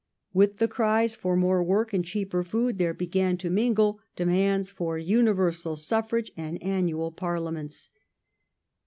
With the cries for more work and cheaper food, there began to mingle demands for universal suffi age and annual Parliaments.